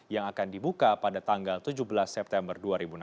yang akan dibuka pada tanggal tujuh belas september dua ribu enam belas